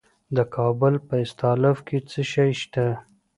د کابل په استالف کې څه شی شته؟